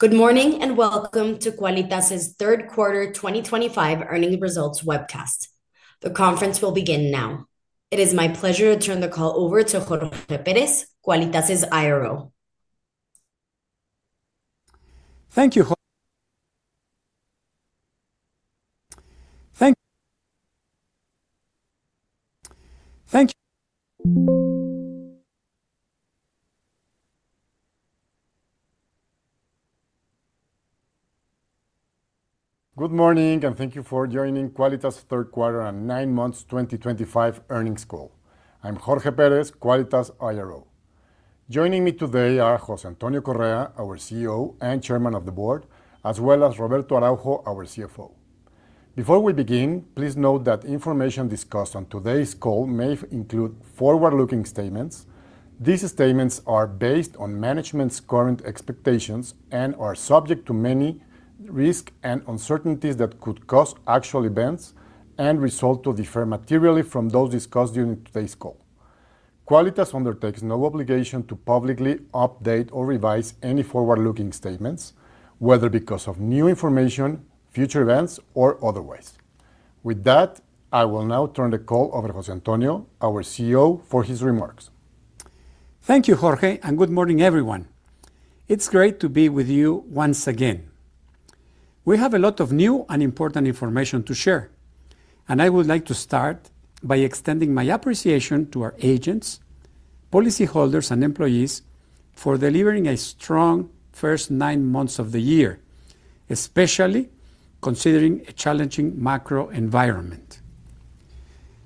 Good morning and welcome to Qualitas's third quarter 2025 earnings results webcast. The conference will begin now. It is my pleasure to turn the call over to Jorge Pérez, Qualitas's IRO. Thank you. Good morning and thank you for joining Qualitas's third quarter and nine months 2025 earnings call. I'm Jorge Pérez, Qualitas IRO. Joining me today are José Antonio Correa, our CEO and Chairman of the Board, as well as Roberto Araujo, our CFO. Before we begin, please note that information discussed on today's call may include forward-looking statements. These statements are based on management's current expectations and are subject to many risks and uncertainties that could cause actual events and results to differ materially from those discussed during today's call. Qualitas undertakes no obligation to publicly update or revise any forward-looking statements, whether because of new information, future events, or otherwise. With that, I will now turn the call over to José Antonio, our CEO, for his remarks. Thank you, Jorge, and good morning, everyone. It's great to be with you once again. We have a lot of new and important information to share, and I would like to start by extending my appreciation to our agents, policyholders, and employees for delivering a strong first nine months of the year, especially considering a challenging macro environment.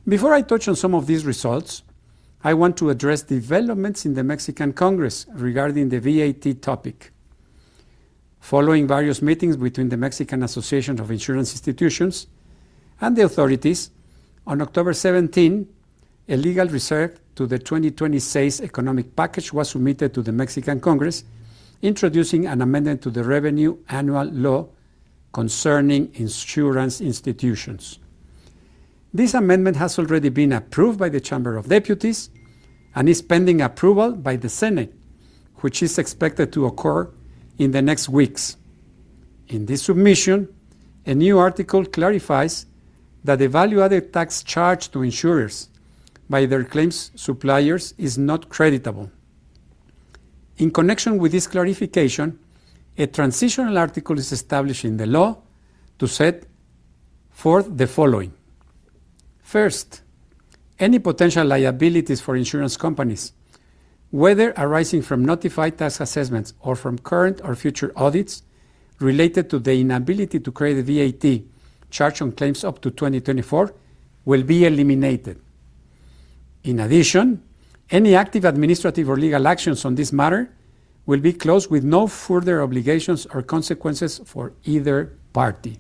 Before I touch on some of these results, I want to address developments in the Mexican Congress regarding the VAT topic. Following various meetings between the Mexican Association of Insurance Institutions and the authorities, on October 17, a legal reserve to the 2026 economic package was submitted to the Mexican Congress, introducing an amendment to the revenue annual law concerning insurance institutions. This amendment has already been approved by the Chamber of Deputies and is pending approval by the Senate, which is expected to occur in the next weeks. In this submission, a new article clarifies that the value-added tax charged to insurers by their claims suppliers is not creditable. In connection with this clarification, a transitional article is established in the law to set forth the following: First, any potential liabilities for insurance companies, whether arising from notified tax assessments or from current or future audits related to the inability to create a VAT charge on claims up to 2024, will be eliminated. In addition, any active administrative or legal actions on this matter will be closed with no further obligations or consequences for either party.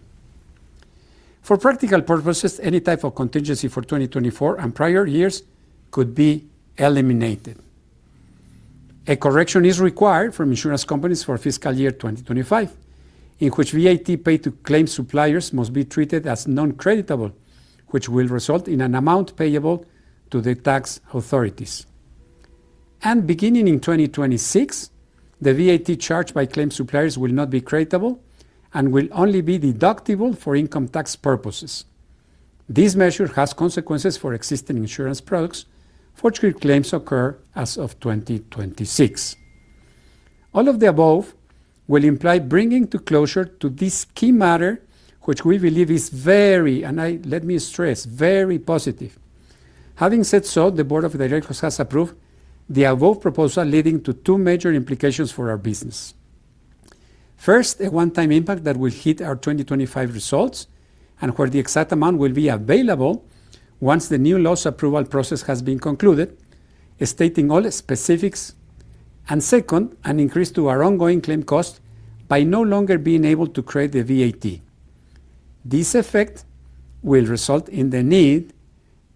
For practical purposes, any type of contingency for 2024 and prior years could be eliminated. A correction is required from insurance companies for fiscal year 2025, in which VAT paid to claim suppliers must be treated as non-creditable, which will result in an amount payable to the tax authorities. Beginning in 2026, the VAT charged by claim suppliers will not be creditable and will only be deductible for income tax purposes. This measure has consequences for existing insurance products for which claims occur as of 2026. All of the above will imply bringing to closure to this key matter, which we believe is very, and let me stress, very positive. Having said so, the Board of Directors has approved the above proposal leading to two major implications for our business. First, a one-time impact that will hit our 2025 results and where the exact amount will be available once the new loss approval process has been concluded, stating all specifics. Second, an increase to our ongoing claim cost by no longer being able to create the VAT. This effect will result in the need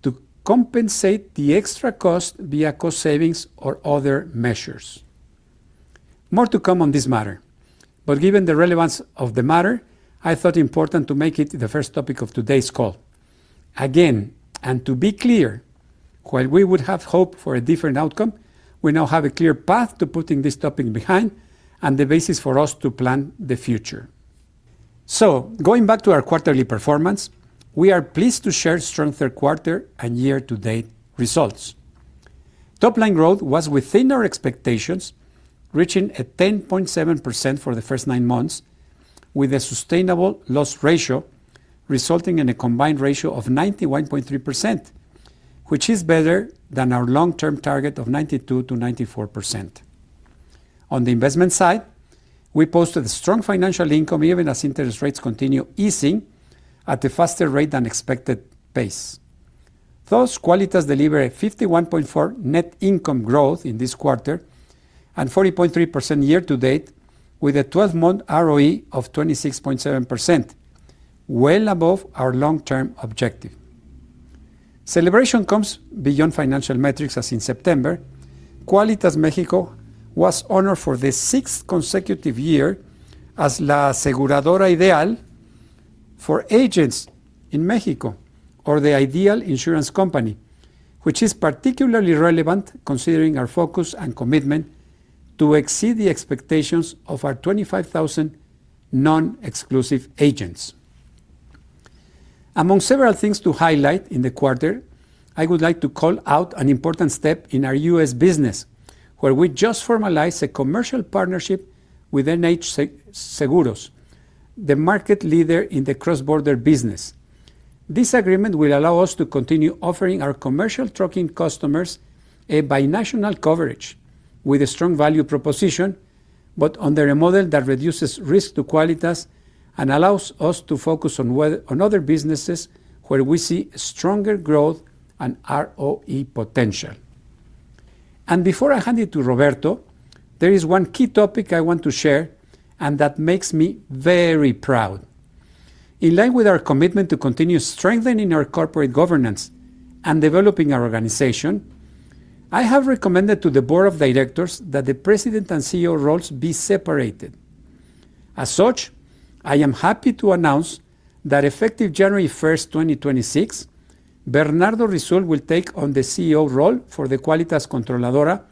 to compensate the extra cost via cost savings or other measures. More to come on this matter, given the relevance of the matter, I thought it was important to make it the first topic of today's call. Again, and to be clear, while we would have hoped for a different outcome, we now have a clear path to putting this topic behind and the basis for us to plan the future. Going back to our quarterly performance, we are pleased to share strong third quarter and year-to-date results. Top line growth was within our expectations, reaching 10.7% for the first nine months, with a sustainable loss ratio resulting in a combined ratio of 91.3%, which is better than our long-term target of 92%-94%. On the investment side, we posted a strong financial income even as interest rates continue easing at a faster rate than expected pace. Thus, Qualitas delivered a 51.4% net income growth in this quarter and 40.3% year to date, with a 12-month ROE of 26.7%, well above our long-term objective. Celebration comes beyond financial metrics, as in September, Qualitas Mexico was honored for the sixth consecutive year as la aseguradora ideal for agents in Mexico, or the ideal insurance company, which is particularly relevant considering our focus and commitment to exceed the expectations of our 25,000 non-exclusive agents. Among several things to highlight in the quarter, I would like to call out an important step in our U.S. business, where we just formalized a commercial partnership with NH Seguros, the market leader in the cross-border business. This agreement will allow us to continue offering our commercial trucking customers a binational coverage with a strong value proposition, but under a model that reduces risk to Qualitas and allows us to focus on other businesses where we see stronger growth and ROE potential. Before I hand it to Roberto, there is one key topic I want to share and that makes me very proud. In line with our commitment to continue strengthening our corporate governance and developing our organization, I have recommended to the Board of Directors that the President and CEO roles be separated. As such, I am happy to announce that effective January 1st, 2026, Bernardo Risoul will take on the CEO role for Qualitas Controladora,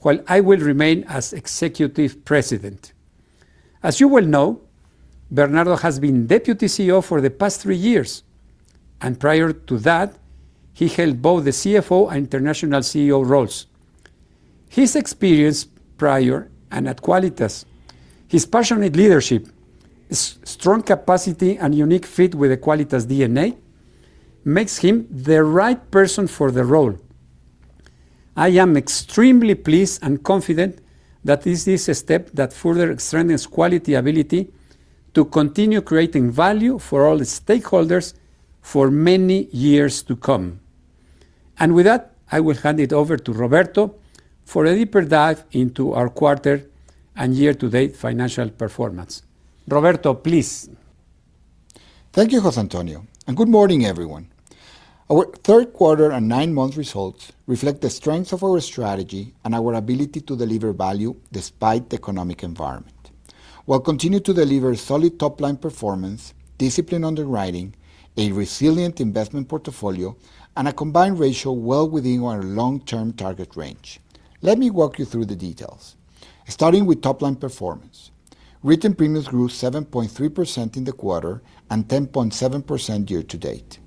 while I will remain as Executive President. As you well know, Bernardo has been Deputy CEO for the past three years, and prior to that, he held both the CFO and International CEO roles. His experience prior and at Qualitas, his passionate leadership, his strong capacity, and unique fit with the Qualitas DNA make him the right person for the role. I am extremely pleased and confident that this is a step that further strengthens Qualitas's ability to continue creating value for all its stakeholders for many years to come. I will hand it over to Roberto for a deeper dive into our quarter and year-to-date financial performance. Roberto, please. Thank you, José Antonio, and good morning, everyone. Our third quarter and nine-month results reflect the strength of our strategy and our ability to deliver value despite the economic environment. We will continue to deliver solid top-line performance, disciplined underwriting, a resilient investment portfolio, and a combined ratio well within our long-term target range. Let me walk you through the details. Starting with top-line performance, written premiums grew 7.3% in the quarter and 10.7% year to date.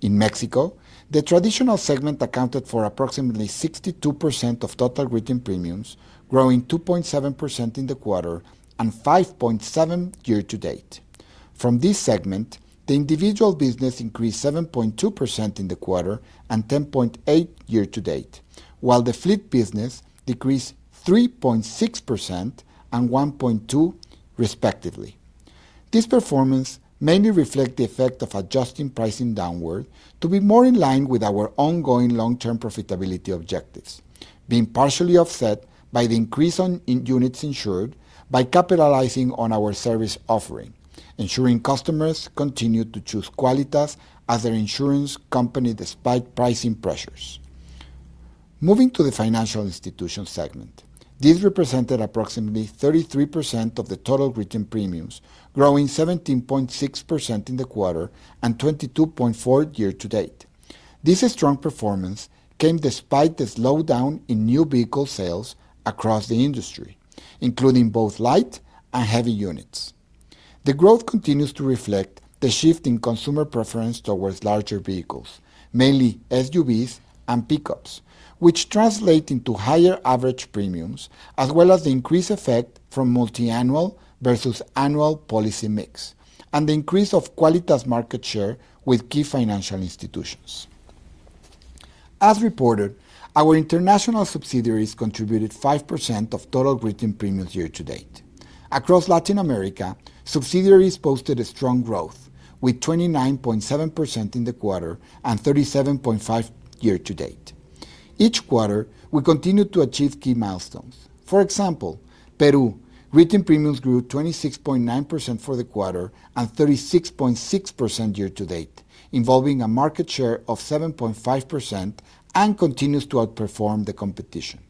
In Mexico, the traditional segment accounted for approximately 62% of total written premiums, growing 2.7% in the quarter and 5.7% year to date. From this segment, the individual business increased 7.2% in the quarter and 10.8% year to date, while the fleet business decreased 3.6% and 1.2% respectively. This performance mainly reflects the effect of adjusting pricing downward to be more in line with our ongoing long-term profitability objectives, being partially offset by the increase in units insured by capitalizing on our service offering, ensuring customers continue to choose Qualitas as their insurance company despite pricing pressures. Moving to the financial institution segment, this represented approximately 33% of the total written premiums, growing 17.6% in the quarter and 22.4% year to date. This strong performance came despite the slowdown in new vehicle sales across the industry, including both light and heavy units. The growth continues to reflect the shift in consumer preference towards larger vehicles, mainly SUVs and pickups, which translate into higher average premiums, as well as the increased effect from multi-annual versus annual policy mix and the increase of Qualitas market share with key financial institutions. As reported, our international subsidiaries contributed 5% of total written premiums year to date. Across Latin America, subsidiaries posted a strong growth, with 29.7% in the quarter and 37.5% year to date. Each quarter, we continue to achieve key milestones. For example, Peru, written premiums grew 26.9% for the quarter and 36.6% year to date, involving a market share of 7.5% and continues to outperform the competition.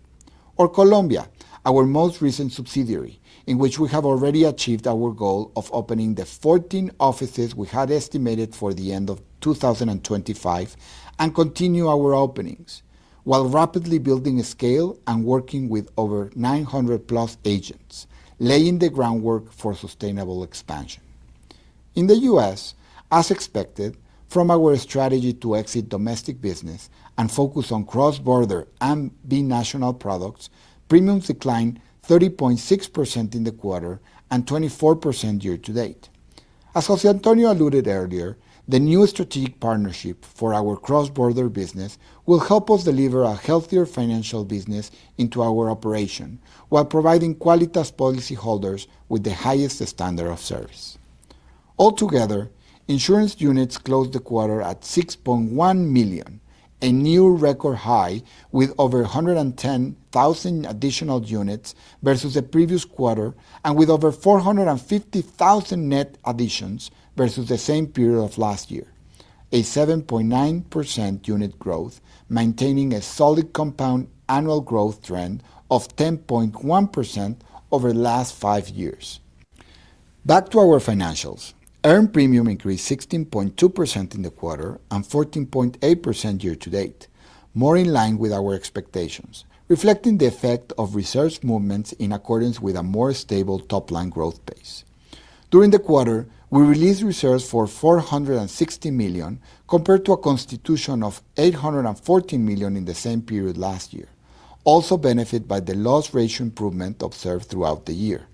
Colombia, our most recent subsidiary, in which we have already achieved our goal of opening the 14 offices we had estimated for the end of 2025 and continue our openings, while rapidly building a scale and working with over 900+ agents, laying the groundwork for sustainable expansion. In the U.S., as expected, from our strategy to exit domestic business and focus on cross-border and binational products, premiums declined 30.6% in the quarter and 24% year to date. As José Antonio alluded earlier, the new strategic partnership for our cross-border business will help us deliver a healthier financial business into our operation while providing Qualitas policyholders with the highest standard of service. Altogether, insurance units closed the quarter at 6.1 million, a new record high with over 110,000 additional units versus the previous quarter and with over 450,000 net additions versus the same period of last year, a 7.9% unit growth, maintaining a solid compound annual growth trend of 10.1% over the last five years. Back to our financials, earned premium increased 16.2% in the quarter and 14.8% year to date, more in line with our expectations, reflecting the effect of reserves movements in accordance with a more stable top-line growth pace. During the quarter, we released reserves for 460 million, compared to a constitution of 814 million in the same period last year, also benefited by the loss ratio improvement observed throughout the year.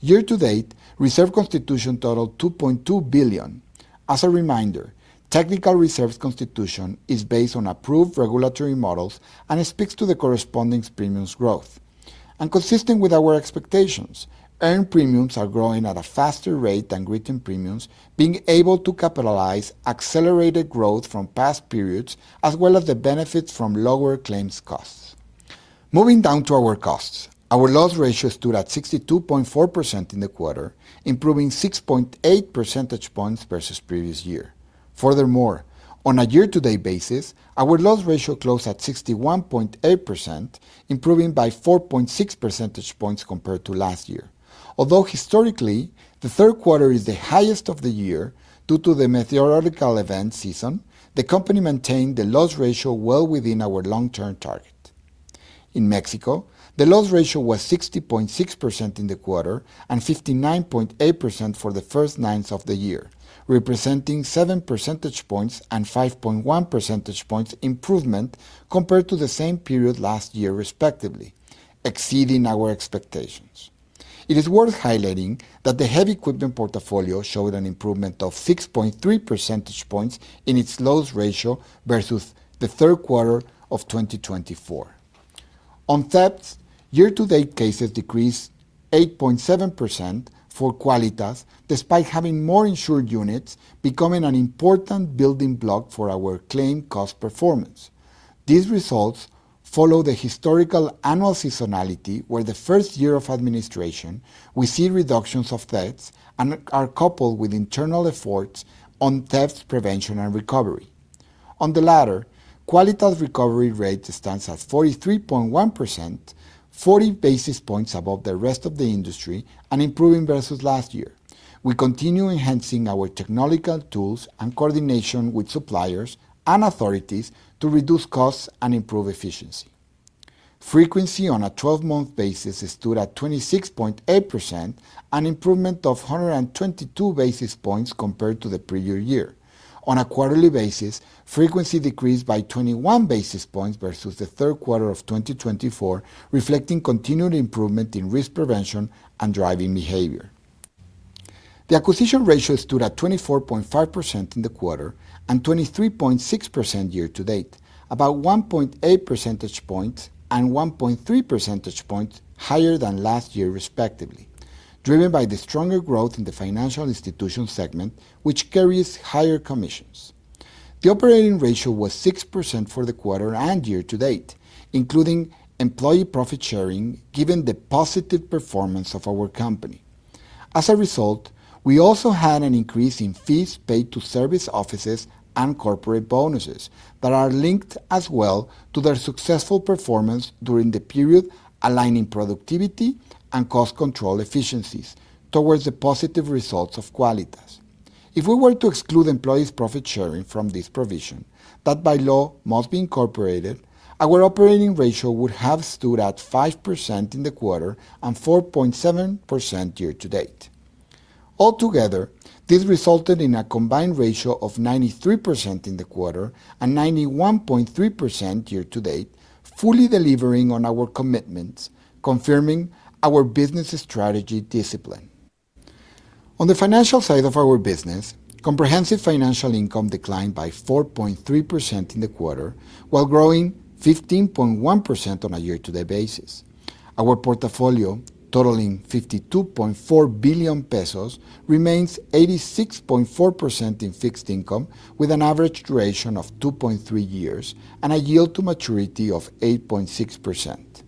Year to date, reserve constitution totaled 2.2 billion. As a reminder, technical reserves constitution is based on approved regulatory models and speaks to the corresponding premiums growth. Consistent with our expectations, earned premiums are growing at a faster rate than written premiums, being able to capitalize accelerated growth from past periods, as well as the benefits from lower claims costs. Moving down to our costs, our loss ratio stood at 62.4% in the quarter, improving 6.8 percentage points versus the previous year. Furthermore, on a year-to-date basis, our loss ratio closed at 61.8%, improving by 4.6 percentage points compared to last year. Although historically, the third quarter is the highest of the year due to the meteorological event season, the company maintained the loss ratio well within our long-term target. In Mexico, the loss ratio was 60.6% in the quarter and 59.8% for the first nine months of the year, representing 7 percentage points and 5.1 percentage points improvement compared to the same period last year, respectively, exceeding our expectations. It is worth highlighting that the heavy equipment portfolio showed an improvement of 6.3 percentage points in its loss ratio versus the third quarter of 2024. On theft, year-to-date cases decreased 8.7% for Qualitas, despite having more insured units, becoming an important building block for our claim cost performance. These results follow the historical annual seasonality, where the first year of administration, we see reductions of thefts and are coupled with internal efforts on theft prevention and recovery. On the latter, Qualitas recovery rate stands at 43.1%, 40 basis points above the rest of the industry and improving versus last year. We continue enhancing our technological tools and coordination with suppliers and authorities to reduce costs and improve efficiency. Frequency on a 12-month basis stood at 26.8%, an improvement of 122 basis points compared to the previous year. On a quarterly basis, frequency decreased by 21 basis points versus the third quarter of 2024, reflecting continued improvement in risk prevention and driving behavior. The acquisition ratio stood at 24.5% in the quarter and 23.6% year to date, about 1.8 percentage points and 1.3 percentage points higher than last year, respectively, driven by the stronger growth in the financial institution segment, which carries higher commissions. The operating ratio was 6% for the quarter and year to date, including employee profit sharing, given the positive performance of our company. As a result, we also had an increase in fees paid to service offices and corporate bonuses that are linked as well to their successful performance during the period, aligning productivity and cost control efficiencies towards the positive results of Qualitas. If we were to exclude employees' profit sharing from this provision, that by law must be incorporated, our operating ratio would have stood at 5% in the quarter and 4.7% year to date. Altogether, this resulted in a combined ratio of 93% in the quarter and 91.3% year to date, fully delivering on our commitments, confirming our business strategy discipline. On the financial side of our business, comprehensive financial income declined by 4.3% in the quarter, while growing 15.1% on a year-to-date basis. Our portfolio, totaling 52.4 billion pesos, remains 86.4% in fixed income, with an average duration of 2.3 years and a yield to maturity of 8.6%.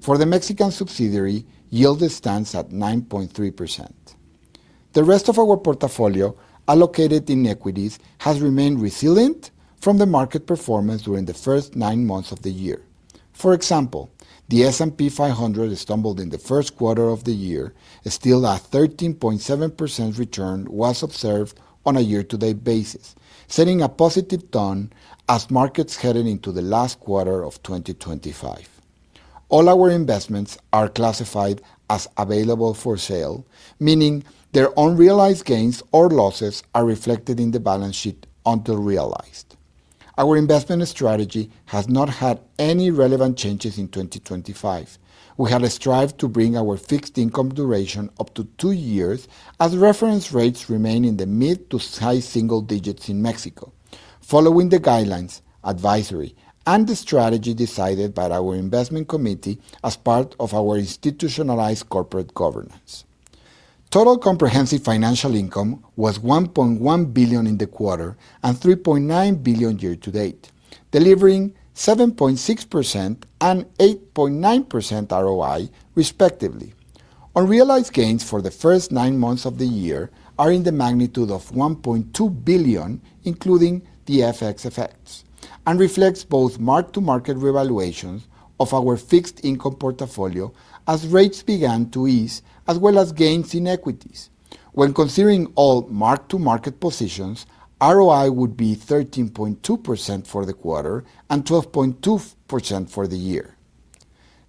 For the Mexican subsidiary, yield stands at 9.3%. The rest of our portfolio, allocated in equities, has remained resilient from the market performance during the first nine months of the year. For example, the S&P 500 stumbled in the first quarter of the year, still at 13.7% return was observed on a year-to-date basis, setting a positive tone as markets headed into the last quarter of 2025. All our investments are classified as available for sale, meaning their unrealized gains or losses are reflected in the balance sheet until realized. Our investment strategy has not had any relevant changes in 2025. We have strived to bring our fixed income duration up to two years, as reference rates remain in the mid to high single digits in Mexico, following the guidelines, advisory, and the strategy decided by our investment committee as part of our institutionalized corporate governance. Total comprehensive financial income was 1.1 billion in the quarter and 3.9 billion year to date, delivering 7.6% and 8.9% ROI, respectively. Unrealized gains for the first nine months of the year are in the magnitude of 1.2 billion, including the FX effects, and reflect both mark-to-market revaluations of our fixed income portfolio as rates began to ease, as well as gains in equities. When considering all mark-to-market positions, ROI would be 13.2% for the quarter and 12.2% for the year.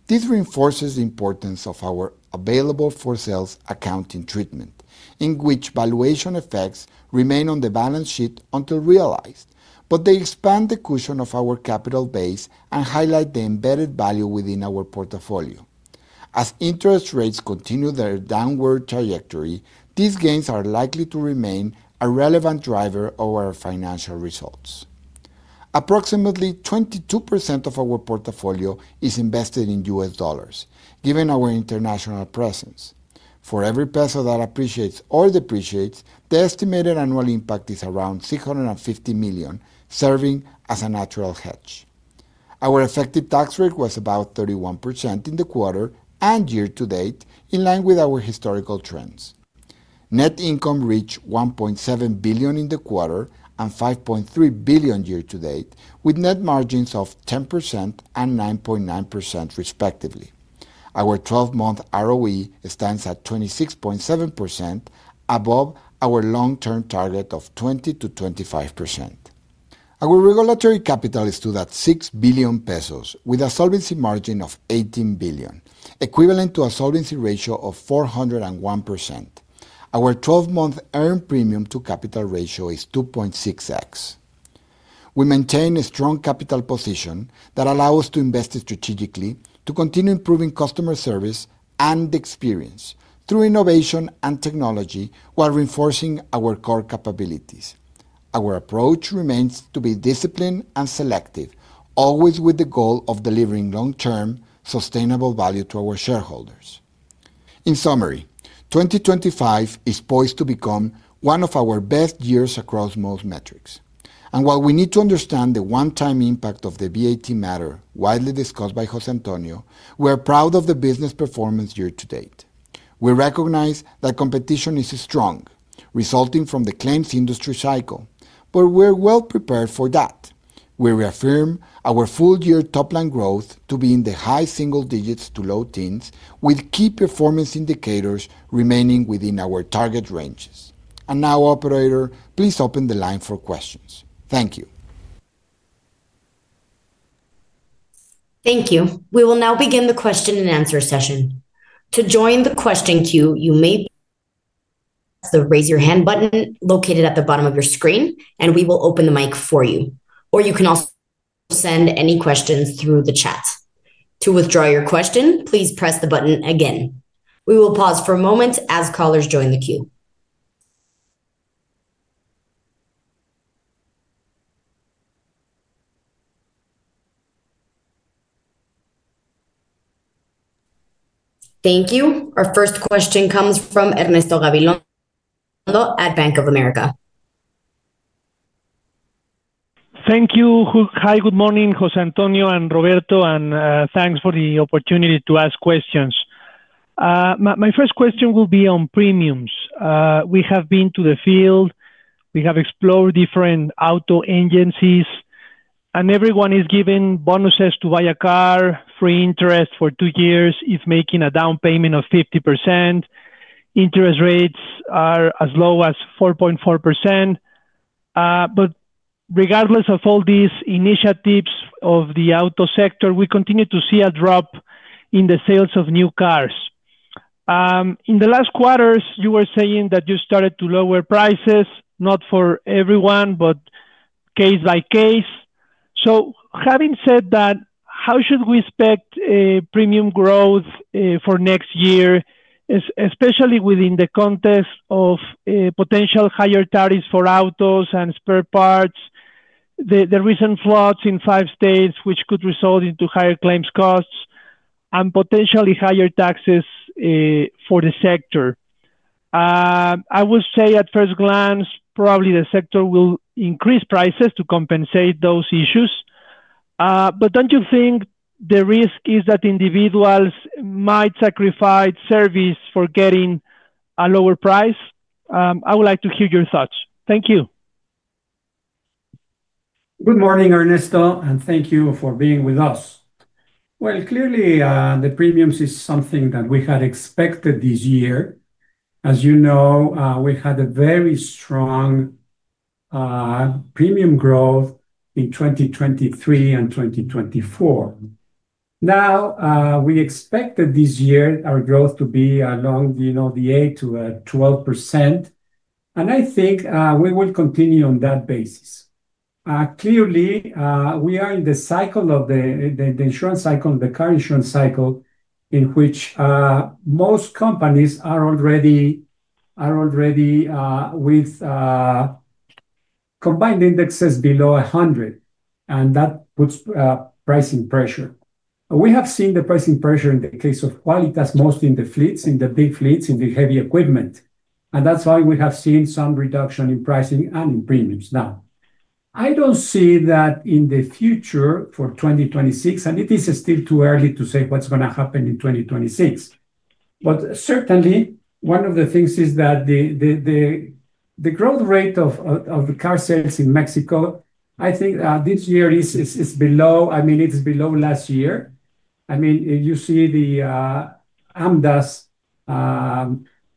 This reinforces the importance of our available for sale accounting treatment, in which valuation effects remain on the balance sheet until realized, but they expand the cushion of our capital base and highlight the embedded value within our portfolio. As interest rates continue their downward trajectory, these gains are likely to remain a relevant driver of our financial results. Approximately 22% of our portfolio is invested in U.S. dollars, given our international presence. For every peso that appreciates or depreciates, the estimated annual impact is around 650 million, serving as a natural hedge. Our effective tax rate was about 31% in the quarter and year to date, in line with our historical trends. Net income reached 1.7 billion in the quarter and 5.3 billion year to date, with net margins of 10% and 9.9%, respectively. Our 12-month ROE stands at 26.7%, above our long-term target of 20%-25%. Our regulatory capital stood at 6 billion pesos, with a solvency margin of 18 billion, equivalent to a solvency ratio of 401%. Our 12-month earned premium to capital ratio is 2.6x. We maintain a strong capital position that allows us to invest strategically to continue improving customer service and experience through innovation and technology, while reinforcing our core capabilities. Our approach remains to be disciplined and selective, always with the goal of delivering long-term, sustainable value to our shareholders. In summary, 2025 is poised to become one of our best years across most metrics. While we need to understand the one-time impact of the VAT matter widely discussed by José Antonio, we are proud of the business performance year to date. We recognize that competition is strong, resulting from the claims industry cycle, but we are well prepared for that. We reaffirm our full-year top-line growth to be in the high single digits to low teens, with key performance indicators remaining within our target ranges. Now, operator, please open the line for questions. Thank you. Thank you. We will now begin the question and answer session. To join the question queue, you may press the raise your hand button located at the bottom of your screen, and we will open the mic for you. You can also send any questions through the chat. To withdraw your question, please press the button again. We will pause for a moment as callers join the queue. Thank you. Our first question comes from Ernesto Gabilondo at Bank of America. Thank you. Hi, good morning, José Antonio and Roberto, and thanks for the opportunity to ask questions. My first question will be on premiums. We have been to the field. We have explored different auto agencies, and everyone is giving bonuses to buy a car, free interest for two years if making a down payment of 50%. Interest rates are as low as 4.4%. Regardless of all these initiatives of the auto sector, we continue to see a drop in the sales of new cars. In the last quarters, you were saying that you started to lower prices, not for everyone, but case by case. Having said that, how should we expect premium growth for next year, especially within the context of potential higher tariffs for autos and spare parts, the recent floods in five states, which could result in higher claims costs and potentially higher taxes for the sector? I would say at first glance, probably the sector will increase prices to compensate those issues. Don't you think the risk is that individuals might sacrifice service for getting a lower price? I would like to hear your thoughts. Thank you. Good morning, Ernesto, and thank you for being with us. Clearly, the premiums are something that we had expected this year. As you know, we had a very strong premium growth in 2023 and 2024. Now, we expected this year our growth to be along the 8%-12%, and I think we will continue on that basis. Clearly, we are in the cycle of the insurance cycle, the car insurance cycle, in which most companies are already with combined indexes below 100, and that puts pricing pressure. We have seen the pricing pressure in the case of Qualitas, mostly in the fleets, in the big fleets, in the heavy equipment, and that's why we have seen some reduction in pricing and in premiums now. I don't see that in the future for 2026, and it is still too early to say what's going to happen in 2026. Certainly, one of the things is that the growth rate of car sales in Mexico, I think this year is below, I mean, it is below last year. I mean, you see the AMDA's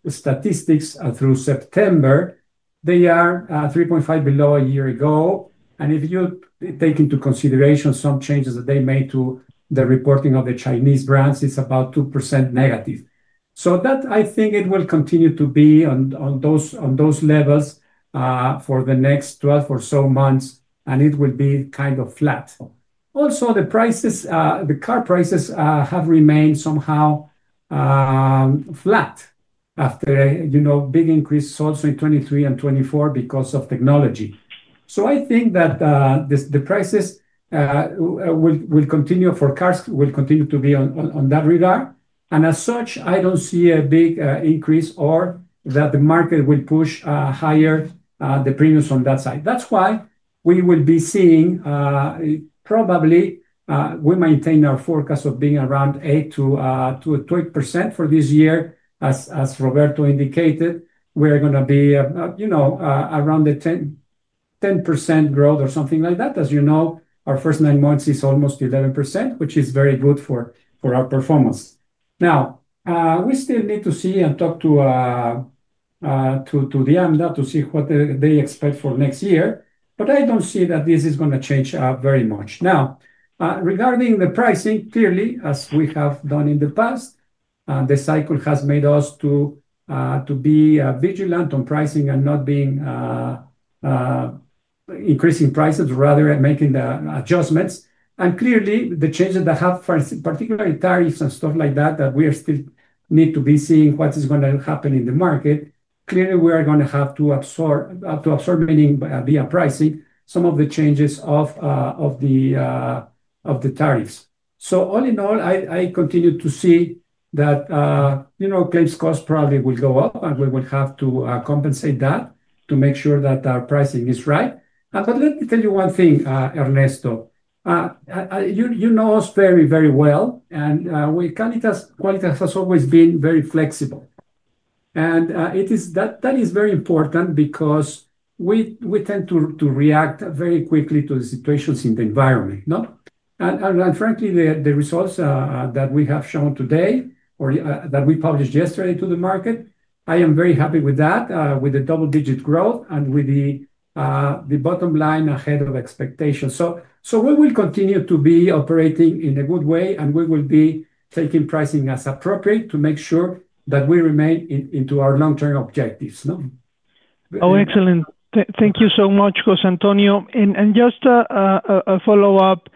statistics through September. They are 3.5% below a year ago, and if you take into consideration some changes that they made to the reporting of the Chinese brands, it's about -2%. That I think it will continue to be on those levels for the next 12 or so months, and it will be kind of flat. Also, the prices, the car prices have remained somehow flat after, you know, big increase also in 2023 and 2024 because of technology. I think that the prices will continue for cars will continue to be on that radar, and as such, I don't see a big increase or that the market will push higher the premiums on that side. That's why we will be seeing probably we maintain our forecast of being around 8%-12% for this year. As Roberto indicated, we're going to be, you know, around the 10% growth or something like that. As you know, our first nine months is almost 11%, which is very good for our performance. We still need to see and talk to the AMDA to see what they expect for next year, but I don't see that this is going to change very much. Now, regarding the pricing, clearly, as we have done in the past, the cycle has made us to be vigilant on pricing and not increasing prices, rather making the adjustments. Clearly, the changes that have particularly tariffs and stuff like that, that we still need to be seeing what is going to happen in the market. Clearly, we are going to have to absorb, meaning be a pricing, some of the changes of the tariffs. All in all, I continue to see that, you know, claims costs probably will go up, and we will have to compensate that to make sure that our pricing is right. Let me tell you one thing, Ernesto. You know us very, very well, and Qualitas has always been very flexible. It is that that is very important because we tend to react very quickly to the situations in the environment. Frankly, the results that we have shown today or that we published yesterday to the market, I am very happy with that, with the double-digit growth and with the bottom line ahead of expectations. We will continue to be operating in a good way, and we will be taking pricing as appropriate to make sure that we remain into our long-term objectives. Oh, excellent. Thank you so much, José Antonio. Just a follow-up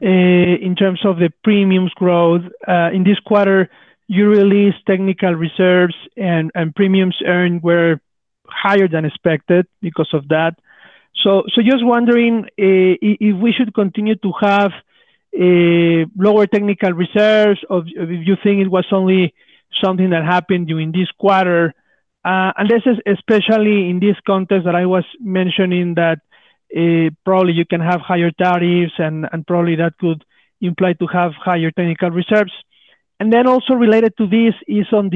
in terms of the premiums growth. In this quarter, you released technical reserves, and premiums earned were higher than expected because of that. I am just wondering if we should continue to have lower technical reserves, or if you think it was only something that happened during this quarter. This is especially in this context that I was mentioning that probably you can have higher tariffs, and probably that could imply to have higher technical reserves. Also related to this is on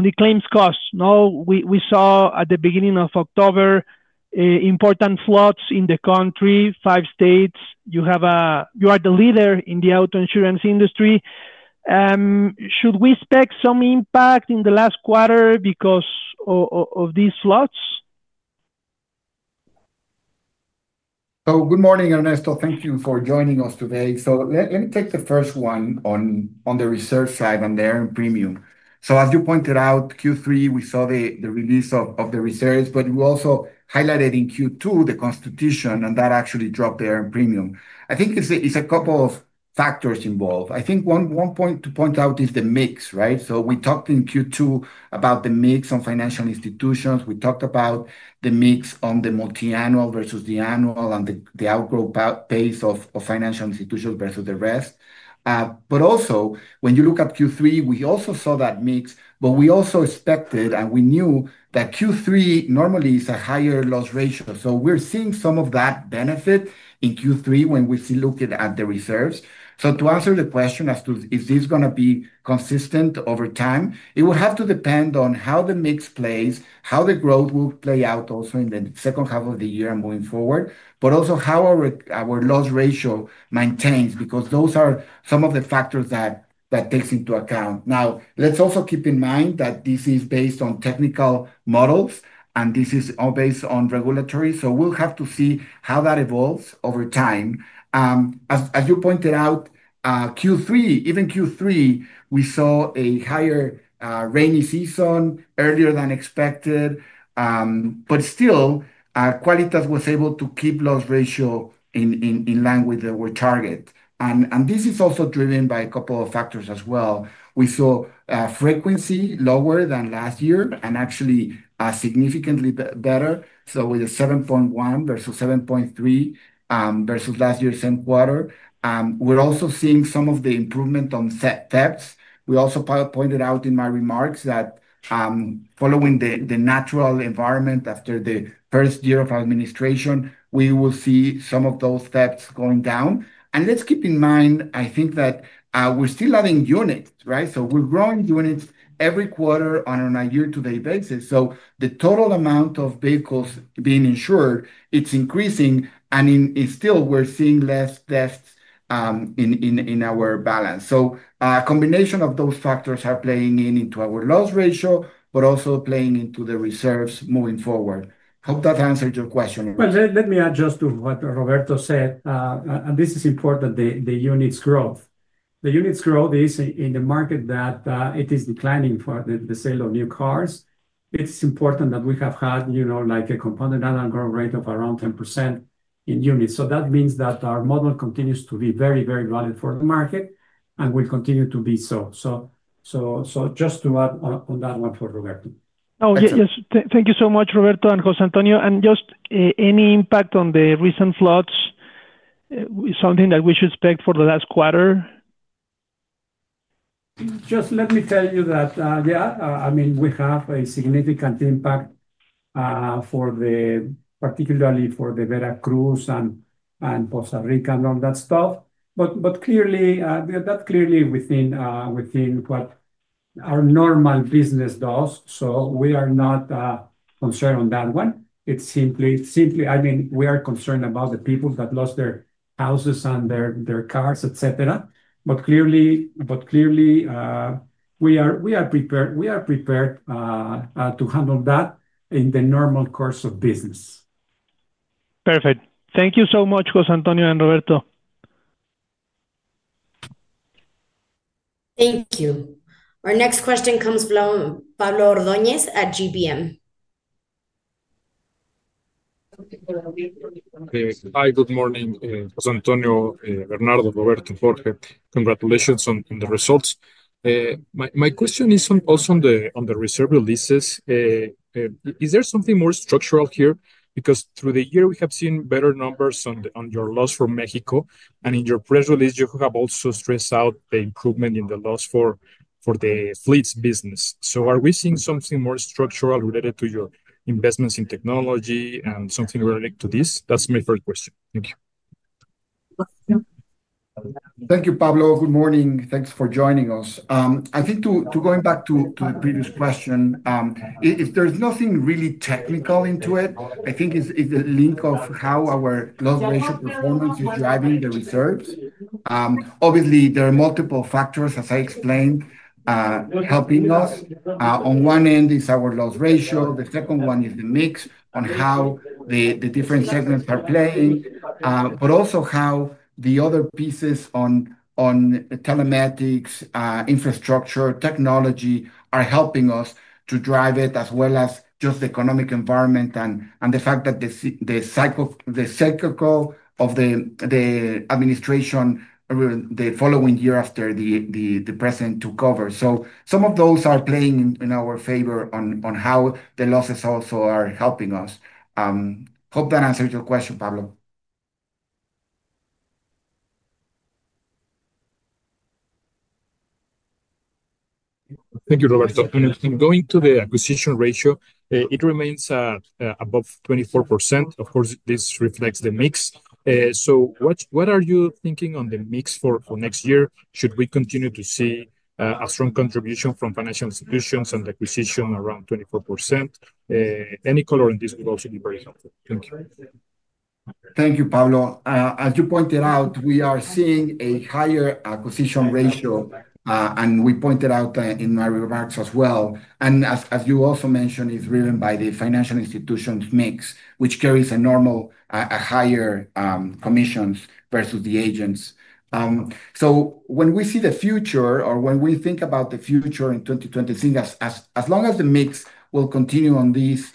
the claims costs. We saw at the beginning of October important floods in the country, five states. You are the leader in the auto insurance industry. Should we expect some impact in the last quarter because of these floods? Good morning, Ernesto. Thank you for joining us today. Let me take the first one on the reserve side and the earned premium. As you pointed out, Q3, we saw the release of the reserves, but you also highlighted in Q2 the constitution, and that actually dropped the earned premium. I think it's a couple of factors involved. One point to point out is the mix, right? We talked in Q2 about the mix on financial institutions. We talked about the mix on the multi-annual versus the annual and the outgrowth pace of financial institutions versus the rest. When you look at Q3, we also saw that mix, but we also expected, and we knew that Q3 normally is a higher loss ratio. We're seeing some of that benefit in Q3 when we look at the reserves. To answer the question as to is this going to be consistent over time, it will have to depend on how the mix plays, how the growth will play out also in the second half of the year and moving forward, but also how our loss ratio maintains because those are some of the factors that take into account. Let's also keep in mind that this is based on technical models, and this is all based on regulatory. We'll have to see how that evolves over time. As you pointed out, Q3, even Q3, we saw a higher rainy season earlier than expected. Still, Qualitas was able to keep the loss ratio in line with our target. This is also driven by a couple of factors as well. We saw frequency lower than last year and actually significantly better. With a 7.1 versus 7.3 versus last year's same quarter, we're also seeing some of the improvement on thefts. I also pointed out in my remarks that following the natural environment after the first year of administration, we will see some of those thefts going down. Let's keep in mind, I think that we're still adding units, right? We're growing units every quarter on a year-to-date basis. The total amount of vehicles being insured is increasing, and still we're seeing less thefts in our balance. A combination of those factors are playing in into our loss ratio, but also playing into the reserves moving forward. Hope that answered your question. Let me add just to what Roberto said, and this is important, the units growth. The units growth is in the market that it is declining for the sale of new cars. It's important that we have had, you know, like a component and an ongoing rate of around 10% in units. That means that our model continues to be very, very valid for the market and will continue to be so. Just to add on that one for Roberto. Oh, yes. Thank you so much, Roberto and José Antonio. Is there any impact on the recent floods, something that we should expect for the last quarter? Let me tell you that, yeah, I mean, we have a significant impact, particularly for Veracruz and Costa Rica and all that stuff. Clearly, that's within what our normal business does. We are not concerned on that one. We are concerned about the people that lost their houses and their cars, etc. Clearly, we are prepared to handle that in the normal course of business. Perfect. Thank you so much, José Antonio and Roberto. Thank you. Our next question comes from Pablo Ordóñez at GBM. Hi, good morning, José Antonio, Bernardo, Roberto, and Jorge. Congratulations on the results. My question is also on the reserve releases. Is there something more structural here? Because through the year, we have seen better numbers on your loss for Mexico. In your press release, you have also stressed out the improvement in the loss for the fleets business. Are we seeing something more structural related to your investments in technology and something related to this? That's my first question. Thank you. Thank you, Pablo. Good morning. Thanks for joining us. Going back to the previous question, if there's nothing really technical into it, I think it's the link of how our loss ratio performance is driving the reserves. Obviously, there are multiple factors, as I explained, helping us. On one end is our loss ratio. The second one is the mix on how the different segments are playing, but also how the other pieces on telematics, infrastructure, technology are helping us to drive it, as well as just the economic environment and the fact that the cycle of the administration the following year after the president took over. Some of those are playing in our favor on how the losses also are helping us. Hope that answers your question, Pablo. Thank you, Roberto. Going to the acquisition ratio, it remains above 24%. This reflects the mix. What are you thinking on the mix for next year? Should we continue to see a strong contribution from financial institutions and the acquisition around 24%? Any color in this would also be very helpful. Thank you. Thank you, Pablo. As you pointed out, we are seeing a higher acquisition ratio, and I pointed out in my remarks as well. As you also mentioned, it's driven by the financial institutions' mix, which carries a normal higher commissions versus the agents. When we see the future or when we think about the future in 2023, as long as the mix will continue on this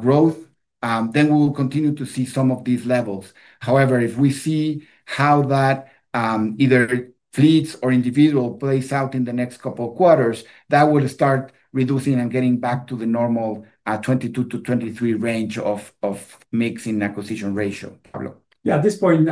growth, we will continue to see some of these levels. However, if we see how that either fleets or individual plays out in the next couple of quarters, that will start reducing and getting back to the normal 22%-23% range of mix in acquisition ratio, Pablo. Yeah, at this point,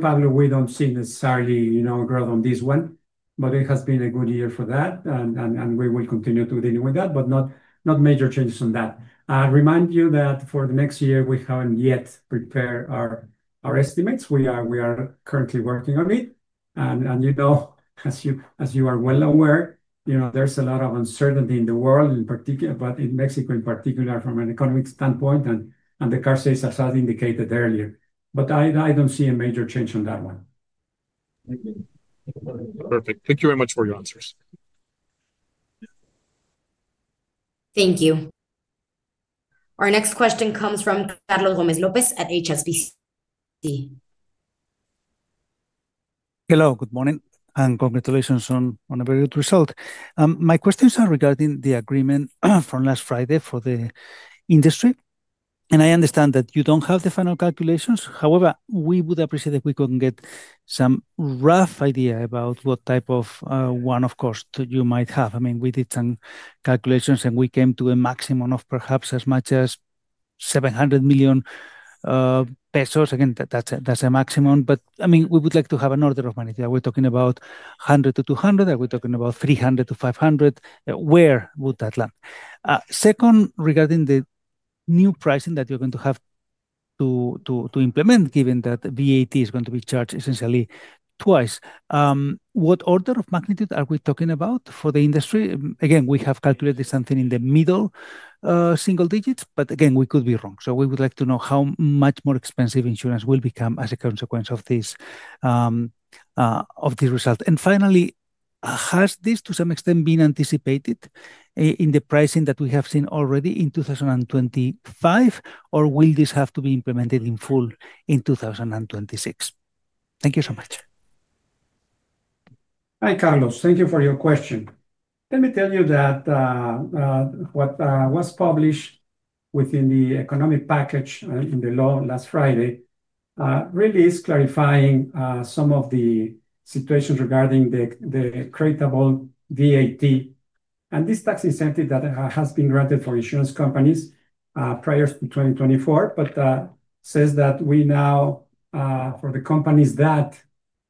Pablo, we don't see necessarily a growth on this one, but it has been a good year for that, and we will continue to deal with that, but not major changes on that. I remind you that for the next year, we haven't yet prepared our estimates. We are currently working on it. As you are well aware, there's a lot of uncertainty in the world, in particular, but in Mexico, in particular, from an economic standpoint and the car sales, as I indicated earlier. I don't see a major change on that one. Perfect. Thank you very much for your answers. Thank you. Our next question comes from Carlos Gomez-Lopez at HSBC. Hello, good morning, and congratulations on a very good result. My questions are regarding the agreement from last Friday for the industry. I understand that you don't have the final calculations. However, we would appreciate if we could get some rough idea about what type of one-off cost you might have. I mean, we did some calculations, and we came to a maximum of perhaps as much as 700 million pesos. Again, that's a maximum. We would like to have an order of money. Are we talking about 100 million-200 million? Are we talking about 300 million-500 million? Where would that land? Second, regarding the new pricing that you're going to have to implement, given that VAT is going to be charged essentially twice, what order of magnitude are we talking about for the industry? We have calculated something in the middle single digits, but again, we could be wrong. We would like to know how much more expensive insurance will become as a consequence of this result. Finally, has this to some extent been anticipated in the pricing that we have seen already in 2025, or will this have to be implemented in full in 2026? Thank you so much. Hi, Carlos. Thank you for your question. Let me tell you that what was published within the economic package in the law last Friday really is clarifying some of the situations regarding the creditable VAT and this tax incentive that has been granted for insurance companies prior to 2024, but says that we now, for the companies that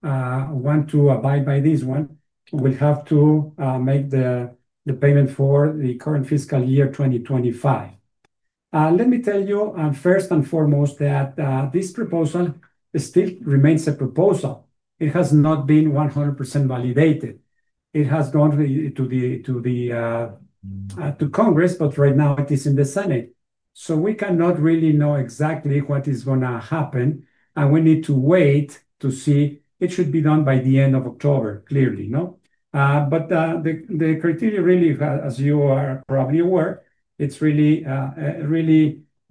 want to abide by this one, will have to make the payment for the current fiscal year 2025. Let me tell you, first and foremost, that this proposal still remains a proposal. It has not been 100% validated. It has gone to Congress, but right now it is in the Senate. We cannot really know exactly what is going to happen, and we need to wait to see. It should be done by the end of October, clearly. The criteria really, as you are probably aware,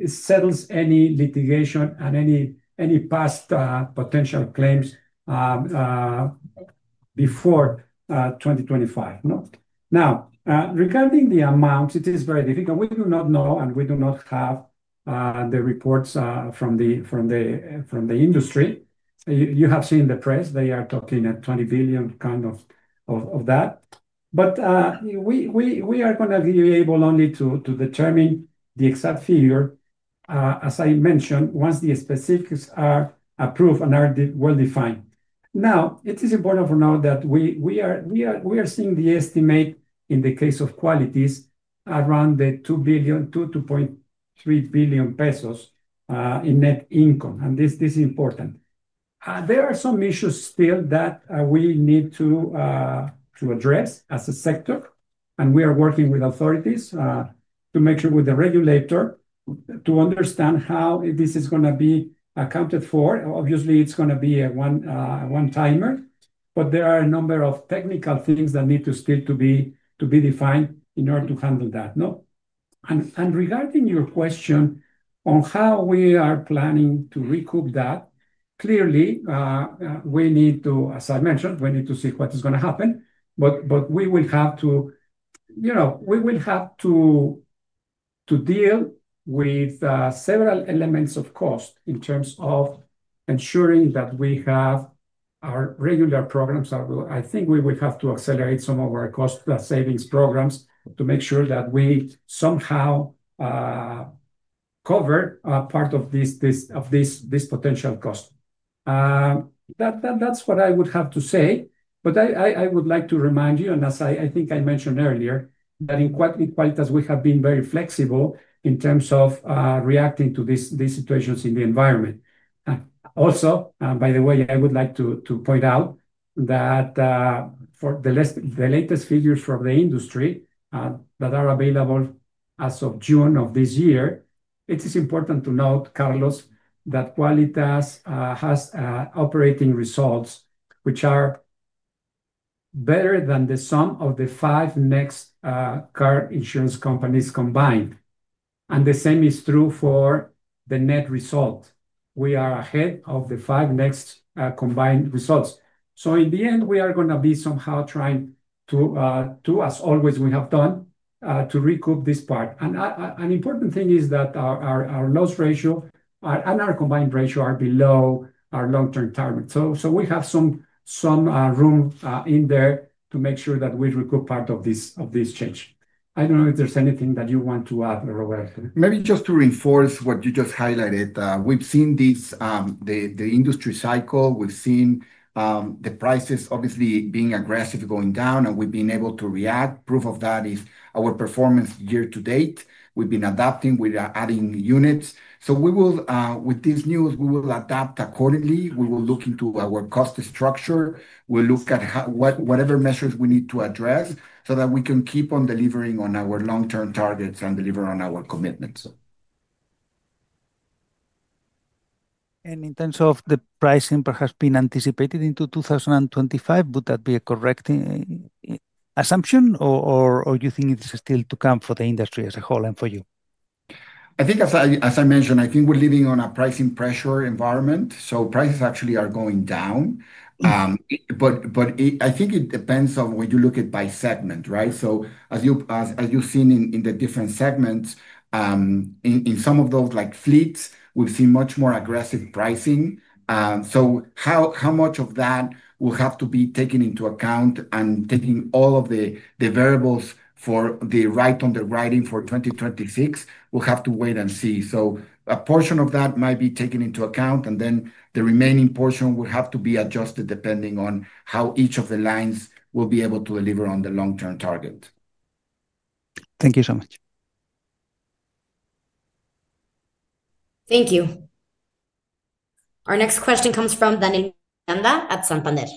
settles any litigation and any past potential claims before 2025. Now, regarding the amounts, it is very difficult. We do not know, and we do not have the reports from the industry. You have seen the press. They are talking at 20 billion kind of of that. We are going to be able only to determine the exact figure, as I mentioned, once the specifics are approved and are well defined. It is important for now that we are seeing the estimate in the case of Qualitas around the 2 billion, 2.3 billion pesos in net income, and this is important. There are some issues still that we need to address as a sector, and we are working with authorities to make sure with the regulator to understand how this is going to be accounted for. Obviously, it's going to be a one-timer, but there are a number of technical things that need to still be defined in order to handle that. Regarding your question on how we are planning to recoup that, clearly, we need to, as I mentioned, we need to see what is going to happen. We will have to deal with several elements of cost in terms of ensuring that we have our regular programs. I think we will have to accelerate some of our cost savings programs to make sure that we somehow cover part of this potential cost. That's what I would have to say. I would like to remind you, and as I think I mentioned earlier, that in Qualitas we have been very flexible in terms of reacting to these situations in the environment. By the way, I would like to point out that for the latest figures from the industry that are available as of June of this year, it is important to note, Carlos, that Qualitas has operating results which are better than the sum of the five next car insurance companies combined. The same is true for the net result. We are ahead of the five next combined results. In the end, we are going to be somehow trying to, as always we have done, to recoup this part. An important thing is that our loss ratio and our combined ratio are below our long-term target. We have some room in there to make sure that we recoup part of this change. I don't know if there's anything that you want to add, Roberto. Maybe just to reinforce what you just highlighted. We've seen this, the industry cycle. We've seen the prices obviously being aggressive going down, and we've been able to react. Proof of that is our performance year to date. We've been adapting, we're adding units. With this news, we will adapt accordingly. We will look into our cost structure and look at whatever measures we need to address so that we can keep on delivering on our long-term targets and deliver on our commitments. In terms of the pricing perhaps being anticipated into 2025, would that be a correct assumption, or do you think it is still to come for the industry as a whole and for you? I think, as I mentioned, we're living in a pricing pressure environment. Prices actually are going down. I think it depends on when you look at by segment, right? As you've seen in the different segments, in some of those like fleets, we've seen much more aggressive pricing. How much of that will have to be taken into account and taking all of the variables for the right underwriting for 2026, we'll have to wait and see. A portion of that might be taken into account, and then the remaining portion will have to be adjusted depending on how each of the lines will be able to deliver on the long-term target. Thank you so much. Thank you. Our next question comes from Daniel at Santander.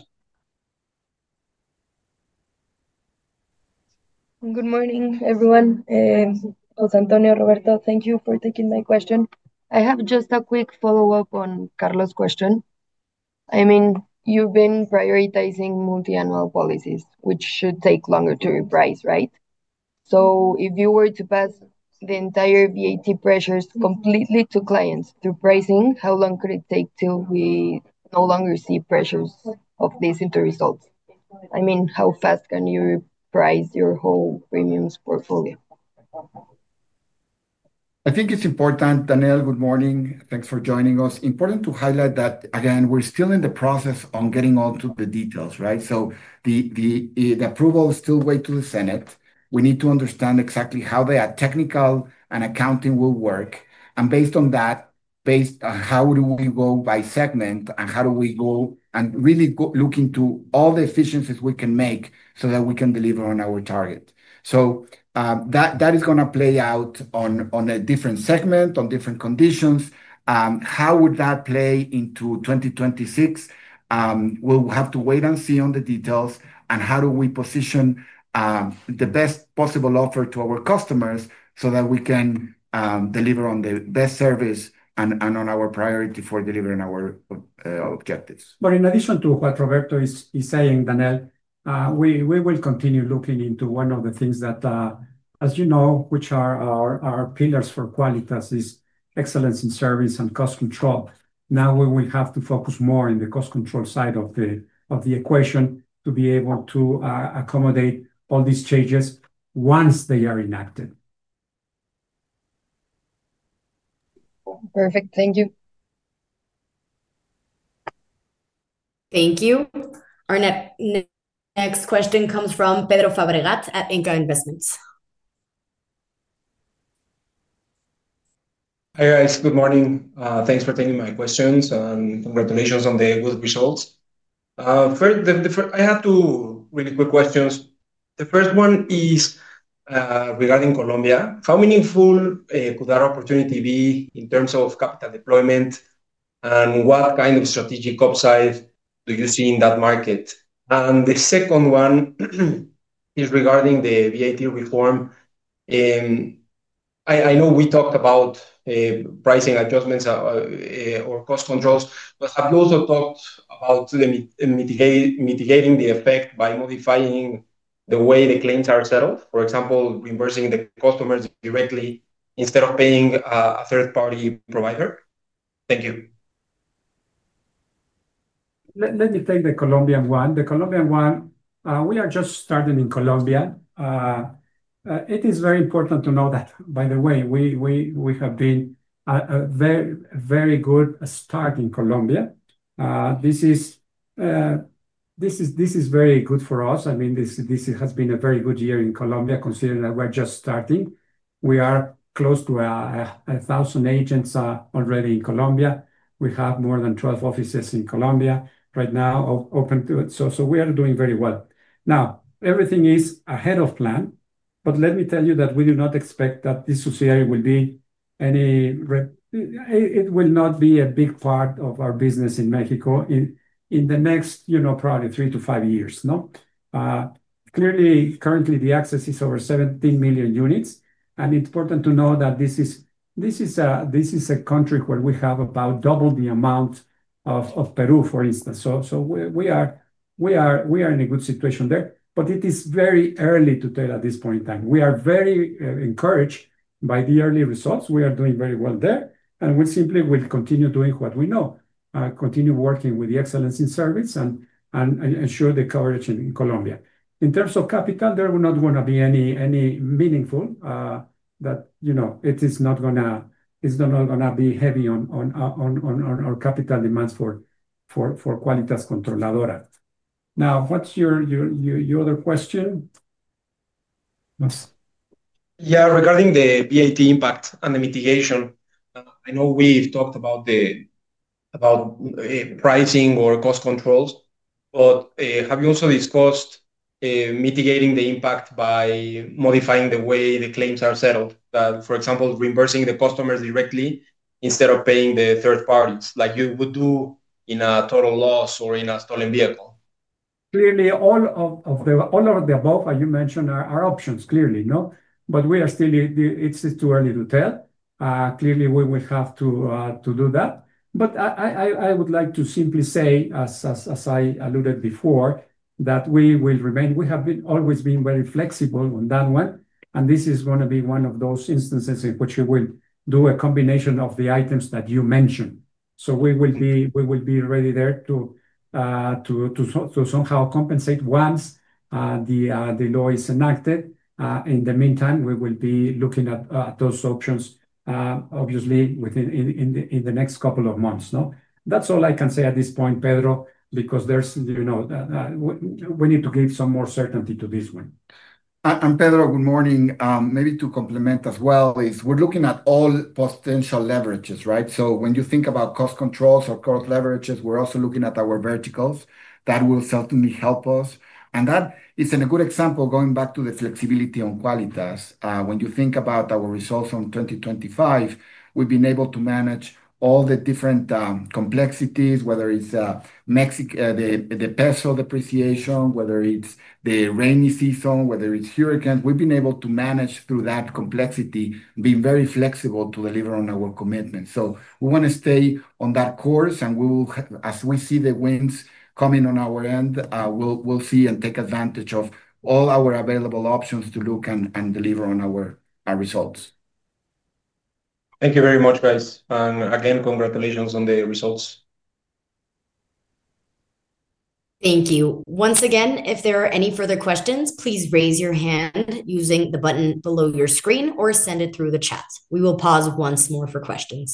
Good morning, everyone. José Antonio, Roberto, thank you for taking my question. I have just a quick follow-up on Carlos' question. You've been prioritizing multi-annual policies, which should take longer to reprice, right? If you were to pass the entire VAT pressures completely to clients through pricing, how long could it take till we no longer see pressures of this into results? How fast can you reprice your whole premiums portfolio? I think it's important, Daniel, good morning. Thanks for joining us. It's important to highlight that, again, we're still in the process of getting onto the details, right? The approval is still waiting to the Senate. We need to understand exactly how the technical and accounting will work. Based on that, based on how do we go by segment and how do we go and really look into all the efficiencies we can make so that we can deliver on our target, that is going to play out on a different segment, on different conditions. How would that play into 2026? We'll have to wait and see on the details and how do we position the best possible offer to our customers so that we can deliver on the best service and on our priority for delivering our objectives. In addition to what Roberto is saying, Daniel, we will continue looking into one of the things that, as you know, which are our pillars for Qualitas is excellence in service and cost control. Now we will have to focus more on the cost control side of the equation to be able to accommodate all these changes once they are enacted. Perfect. Thank you. Thank you. Our next question comes from Pedro Fabregat at INCA Investments. Hi, guys. Good morning. Thanks for taking my questions and congratulations on the good results. I have two really quick questions. The first one is regarding Colombia. How meaningful could that opportunity be in terms of capital deployment, and what kind of strategic upside do you see in that market? The second one is regarding the VAT reform. I know we talked about pricing adjustments or cost controls, but have you also talked about mitigating the effect by modifying the way the claims are settled? For example, reimbursing the customers directly instead of paying a third-party provider. Thank you. Let me take the Colombian one. The Colombian one, we are just starting in Colombia. It is very important to know that, by the way, we have been a very, very good start in Colombia. This is very good for us. I mean, this has been a very good year in Colombia considering that we're just starting. We are close to 1,000 agents already in Colombia. We have more than 12 offices in Colombia right now open to it. We are doing very well. Everything is ahead of plan, but let me tell you that we do not expect that this subsidiary will be any... It will not be a big part of our business in Mexico in the next, you know, probably three to five years. Clearly, currently, the access is over 17 million units. It's important to know that this is a country where we have about double the amount of Peru, for instance. We are in a good situation there, but it is very early to tell at this point in time. We are very encouraged by the early results. We are doing very well there, and we simply will continue doing what we know, continue working with the excellence in service and ensure the coverage in Colombia. In terms of capital, there will not want to be any meaningful that, you know, it is not going to be heavy on our capital demands for Qualitas Controladora. Now, what's your other question? Yeah, regarding the VAT impact and the mitigation, I know we've talked about pricing or cost controls, but have you also discussed mitigating the impact by modifying the way the claims are settled? For example, reimbursing the customers directly instead of paying the third parties like you would do in a total loss or in a stolen vehicle. Clearly, all of the above you mentioned are options. We are still... It's too early to tell. We will have to do that. I would like to simply say, as I alluded before, that we will remain... We have always been very flexible on that one, and this is going to be one of those instances in which we will do a combination of the items that you mentioned. We will be ready there to somehow compensate once the law is enacted. In the meantime, we will be looking at those options, obviously, within the next couple of months. That's all I can say at this point, Pedro, because we need to give some more certainty to this one. Pedro, good morning. Maybe to complement as well, we're looking at all potential leverages, right? When you think about cost controls or cost leverages, we're also looking at our verticals. That will certainly help us. That is a good example, going back to the flexibility on Qualitas. When you think about our results on 2025, we've been able to manage all the different complexities, whether it's the peso depreciation, the rainy season, or hurricanes. We've been able to manage through that complexity, being very flexible to deliver on our commitments. We want to stay on that course, and as we see the winds coming on our end, we'll see and take advantage of all our available options to look and deliver on our results. Thank you very much, guys. Again, congratulations on the results. Thank you. Once again, if there are any further questions, please raise your hand using the button below your screen or send it through the chat. We will pause once more for questions.